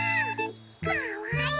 かわいい。